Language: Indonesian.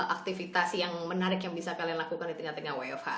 aktivitas yang menarik yang bisa kalian lakukan di tengah tengah wfh